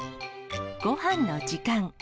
ごはんの時間。